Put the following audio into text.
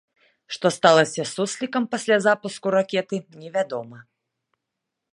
Што сталася з суслікам пасля запуску ракеты, невядома.